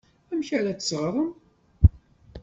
Amek ara as-teɣrem?